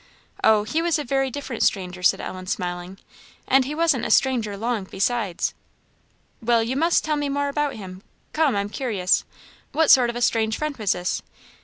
"Oh, he was a very different stranger," said Ellen, smiling, "and he wasn't a stranger long, besides." "Well, you must tell me more about him come, I'm curious; what sort of a strange friend was this?"